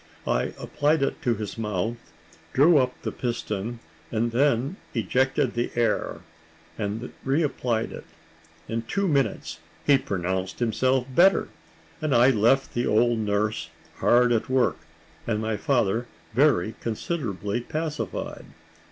I applied it to his mouth, drew up the piston, and then ejected the air, and re applied it. In two minutes he pronounced himself better, and I left the old nurse hard at work, and my father very considerably pacified.